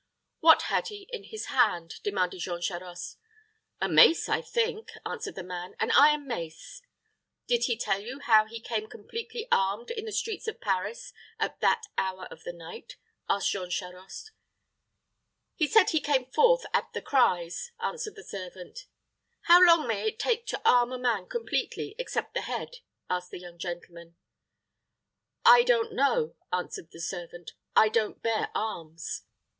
"What had he in his hand?" demanded Jean Charost. "A mace, I think," answered the man; "an iron mace." "Did he tell you how he came completely armed in the streets of Paris at that hour of the night?" asked Jean Charost. "He said he came forth at the cries," answered the servant. "How long may it take to arm a man completely, except the head?" asked the young gentleman. "I don't know," answered the servant; "I don't bear arms."